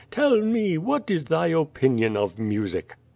Tell me, what is thy o|)inion of music?"